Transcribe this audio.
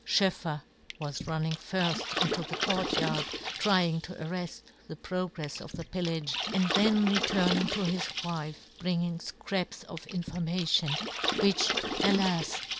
SchoefFer was running firft into the court yard, trying to arreft the progrefs of the pillage, and then returning to his wife bringing fcraps of information, which, alas